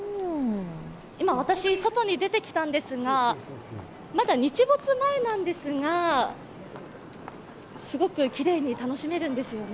今、私、外に出てきたんですが、まだ日没前ですが、すごくきれいに楽しめるんですよね。